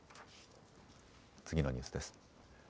次のニュースです。